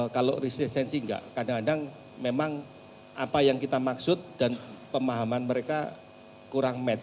kalau resistensi enggak kadang kadang memang apa yang kita maksud dan pemahaman mereka kurang match